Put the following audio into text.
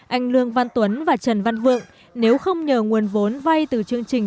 anh lương văn tuấn và trần văn vượng nếu không nhờ nguồn vốn vay từ chương trình